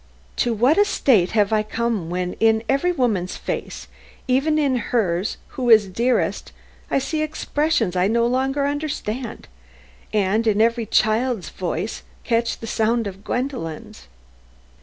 "To what a state have I come when in every woman's face, even in hers who is dearest, I see expressions I no longer understand, and in every child's voice catch the sound of Gwendolen's?"